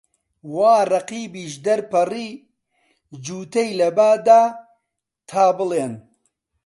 وا ڕەقیبیش دەرپەڕی، جووتەی لە با دا، تا بڵێن